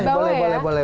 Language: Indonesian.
boleh boleh boleh